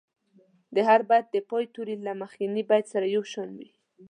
د هر بیت د پای توري له مخکني بیت سره یو شان وي.